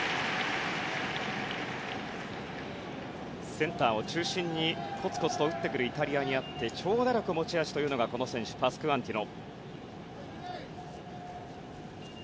センターを中心にコツコツと打ってくるイタリアにあって長打力が持ち味というのがパスクアンティノ。